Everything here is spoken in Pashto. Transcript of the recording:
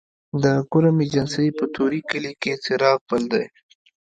د کرم ایجنسۍ په طوري کلي کې څراغ بل دی